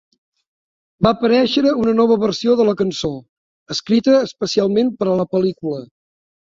Va aparèixer una nova versió de la cançó, escrita especialment per a la pel·lícula.